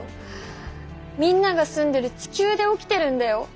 みんなが住んでる地球で起きてるんだよ？